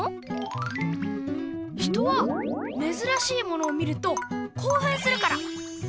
うん人はめずらしいものを見るとこうふんするから！